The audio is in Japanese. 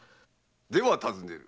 では尋ねる。